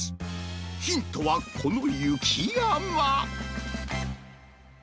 ヒントはこの雪山。